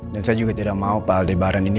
dan saya juga tidak mau pak aldebaran ini